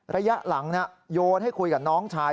ระยะหลังโยนให้คุยกับน้องชาย